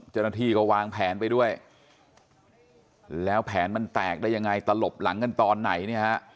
เจ้าหน้าที่ก็วางแผนไปด้วยแล้วแผนมันแตกได้ยังไงตลบหลังกันตอนไหนเนี่ยฮะ